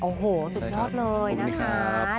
โอ้โหสุดยอดเลยนะคะ